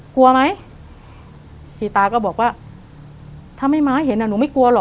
กลัวไหมสีตาก็บอกว่าถ้าไม่ม้าเห็นอ่ะหนูไม่กลัวหรอก